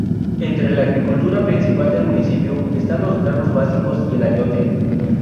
Entre la agricultura principal del municipio están los granos básicos y el ayote.